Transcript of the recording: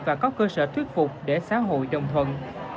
và có cơ sở thuyết phục để xã hội đồng thuận